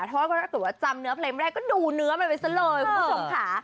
ถ้าเกิดจำเนื้อเพลงไม่ได้ก็ดูเนื้อมาเลยซะเลย